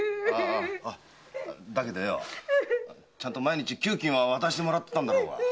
だけどよちゃんと毎日給金は渡してもらってたんだろうが。